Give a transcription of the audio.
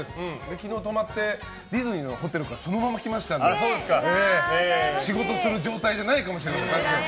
昨日泊まってディズニーのホテルからそのまま来ましたから仕事する状態じゃないかも。